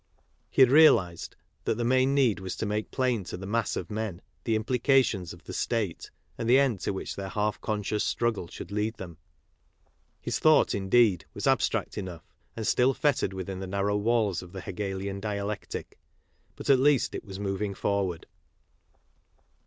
~He had realized that the main need was to make plain to the mass of men the implications of the state, and the end to which their half conscious struggle should lead them. His thought, indeed, was abstract enough, and still fettered within the^jTarrow^waJb__ofjtheJHegelian djalec But at least it was moving forward.